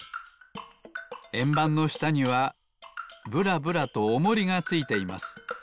えんばんのしたにはぶらぶらとおもりがついています。